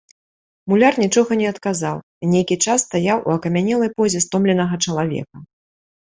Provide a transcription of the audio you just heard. Муляр нічога не адказаў і нейкі час стаяў у акамянелай позе стомленага чалавека.